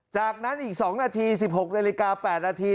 จากนั้นอีก๒นาที๑๖นาฬิกา๘นาที